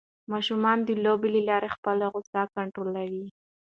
ماشومان د لوبو له لارې خپل غوسه کنټرولوي.